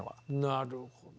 なるほど。